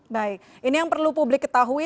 baik ini yang perlu publik ketahui